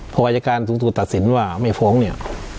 พออายการสูงสุดตัดสินว่าไม่ฟ้องเนี่ย